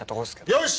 よし！